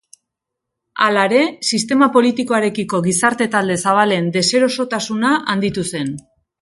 Hala ere, sistema politikoarekiko gizarte-talde zabalen deserosotasuna handitu zen.